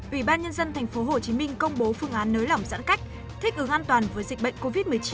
ủy ban nhân dân thành phố hồ chí minh công bố phương án nới lỏng giãn cách thích ứng an toàn với dịch bệnh covid một mươi chín